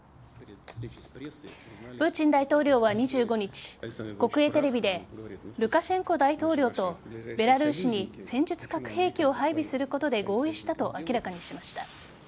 プーチン大統領は２５日国営テレビでルカシェンコ大統領とベラルーシに戦術核兵器を配備することで合意したと明らかにしました。